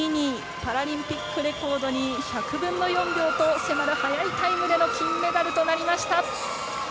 パラリンピックレコードに１００分の４秒と迫る速いタイムでの金メダルとなりました。